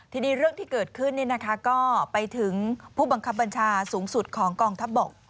ทีนี้เรื่องที่เกิดขึ้นก็ไปถึงผู้บังคับบัญชาสูงสุดของกองทัพบก